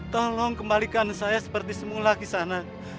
tolong kembalikan saya seperti semula kisanak